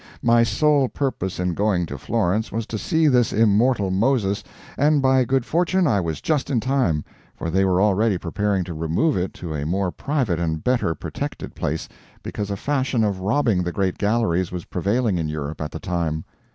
My sole purpose in going to Florence was to see this immortal "Moses," and by good fortune I was just in time, for they were already preparing to remove it to a more private and better protected place because a fashion of robbing the great galleries was prevailing in Europe at the time.